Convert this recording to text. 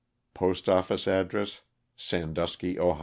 Postoffice address, Sandusky, 0.